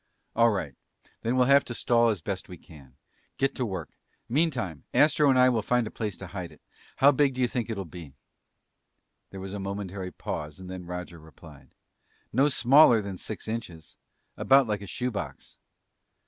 "All right, then we'll have to stall as best we can. Get to work. Meantime, Astro and I will find a place to hide it. How big do you think it'll be?" There was a momentary pause and then Roger replied, "No smaller than six inches. About like a shoe box."